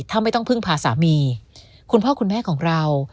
ถ้าไม่ต้องพึ่งพาสามีคุณพ่อคุณแม่ของเรา